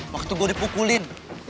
waktu gue dipukulin